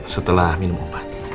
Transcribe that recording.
setelah minum obat